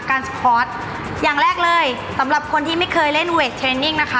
สปอร์ตอย่างแรกเลยสำหรับคนที่ไม่เคยเล่นเวทเทรนนิ่งนะคะ